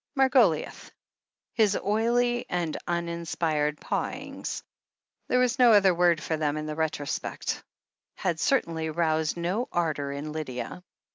Margoliouth. His oily and uninspired pawings — there was no other word for them, in the retrospect — had certainly roused no ardour in Lydia.